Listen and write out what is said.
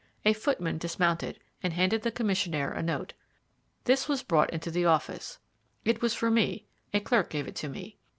A footman dismounted and handed the commissionaire a note. This was brought into the office. It was for me; a clerk gave it to me.